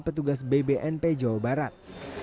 petugas bbnp jawa barat